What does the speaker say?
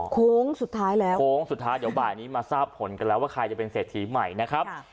โค้งสุดท้ายแล้วโค้งสุดท้ายเดี๋ยวบ่ายนี้มาทราบผลกันแล้วว่าใครจะเป็นเศรษฐีใหม่นะครับ